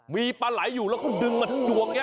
มีปลาไหลอยู่แล้วเขาดึงมาทั้งดวงนี้